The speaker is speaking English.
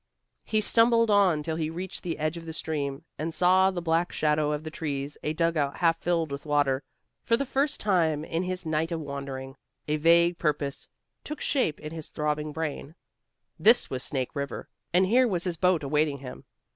He stumbled on till he reached the edge of the stream and saw in the black shadow of the trees a dugout half filled with water. For the first time in his night of wandering, a vague purpose took shape in his throbbing brain. This was Snake River. And here was his boat awaiting him.